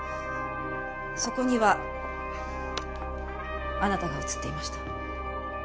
そこにはあなたが映っていました。